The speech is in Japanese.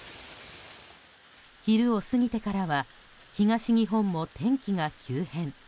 昼を過ぎてからは東日本も天気が急変。